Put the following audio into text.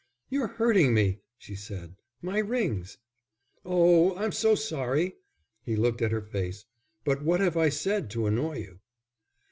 "You're hurting me," she said. "My rings." "Oh, I'm so sorry!" He looked at her face. "But what have I said to annoy you?"